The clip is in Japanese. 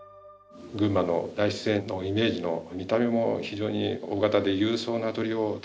群馬の大自然のイメージの見た目も非常に大型で勇壮な鶏を作りたいなと。